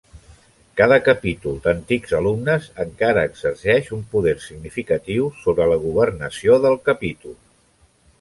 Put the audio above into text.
Cada capítol d'antics alumnes encara exerceix un poder significatiu sobre la governació del capítol.